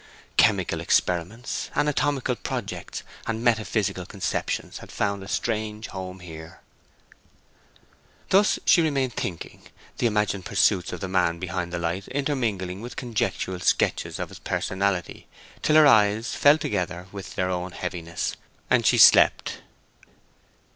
Chemical experiments, anatomical projects, and metaphysical conceptions had found a strange home here. Thus she remained thinking, the imagined pursuits of the man behind the light intermingling with conjectural sketches of his personality, till her eyes fell together with their own heaviness, and she slept.